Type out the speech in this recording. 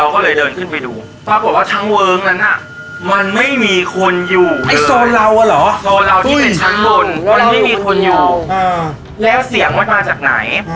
คนที่มีคนอยู่แล้วเสียงมันมาจากไหน